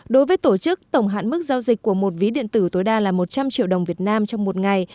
đối với tổ chức tổng hạn mức giao dịch của một ví điện tử tối đa là một trăm linh triệu đồng việt nam trong một ngày